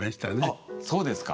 あっそうですか。